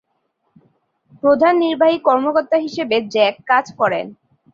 প্রথম নির্বাহী কর্মকর্তা হিসেবে জ্যাক কাজ করেন।